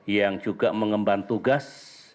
yang juga mengemban tugas